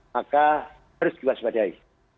maka harus diwaspadai